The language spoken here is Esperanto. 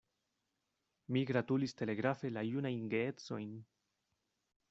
Mi gratulis telegrafe la junajn geedzojn.